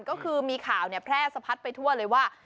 ก็คือมีข่าวแพร่สะพัดไปทั่วเลยว่า